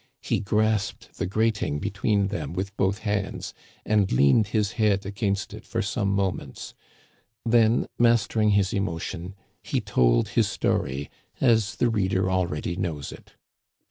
He grasped the grating between them with both hands, and leaned his head against it for some moments ; then, mastering his emotion, he told his story as the reader already knows it.